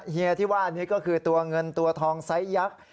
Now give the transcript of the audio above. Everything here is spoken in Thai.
เฮียที่ว่านี้ก็คือตัวเงินตัวทองไซสยักษ์